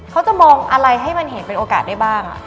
เขาจะมองอะไรให้มันเห็นเป็นโอกาสได้บ้าง